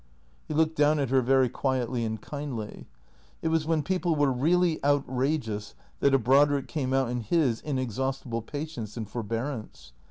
He looked down at her very quietly and kindly. It was when people were really outrageous that a Brodrick came out in his inexhaustible patience and forbearance.